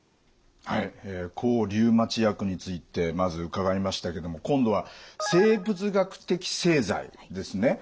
はい抗リウマチ薬についてまず伺いましたけども今度は生物学的製剤ですね。